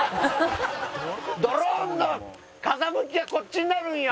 ドローンの風向きがこっちになるんよ！